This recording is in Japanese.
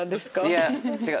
いや違う。